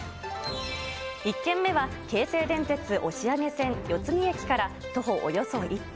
１軒目は、京成電鉄押上線四ツ木駅から徒歩およそ１分。